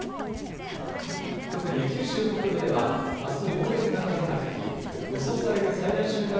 特に九州北部ではあす猛烈な風が吹き予想される最大瞬間